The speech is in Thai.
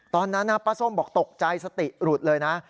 ตอนนั้นป้าส้มบอกตกใจสติหลุดเลยนะ